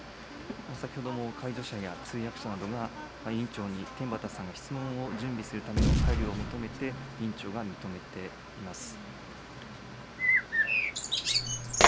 先ほども介助者や通訳者などが、委員長に天畠さんが質問を準備するための配慮を求めて、委員長が認めています。